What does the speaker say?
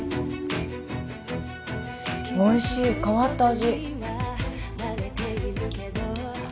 おいしい変わった味